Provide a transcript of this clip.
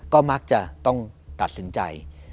ก็มักจะต้องตัดสินใจ